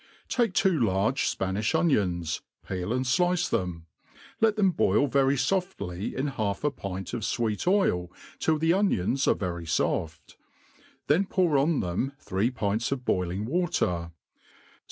TAKE two large Spanilh onions, peel and flice tKem ; let them boil very foftiy in half a pint of fweet oll till the onions ire^very foft ; then poui* on them three i)int8 df boiling water $.